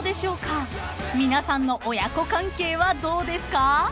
［皆さんの親子関係はどうですか？］